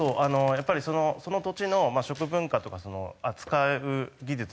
やっぱりその土地の食文化とか扱う技術だとかですね